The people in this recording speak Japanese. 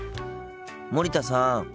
森田さん。